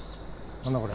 何だよこれ。